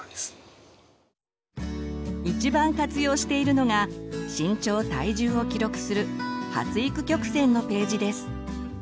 一番活用しているのが身長体重を記録する発育曲線のページです。